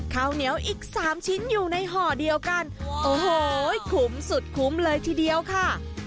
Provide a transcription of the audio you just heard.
ข้าวเหนียวอีกสามชิ้นอยู่ในห่อเดียวกันโอ้โหคุ้มสุดคุ้มเลยทีเดียวค่ะ